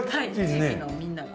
地域のみんなが。